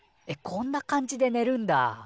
えっこんな感じでねるんだ。